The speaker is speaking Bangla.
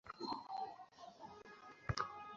অহ স্যার, প্রায় ভুলেই গিয়েছিলাম।